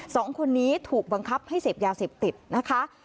สองคนนี้ถูกบังคับให้เสพยาเสพติดนะคะ